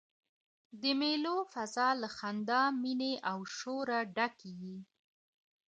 د مېلو فضاء له خندا، میني او شوره ډکه يي.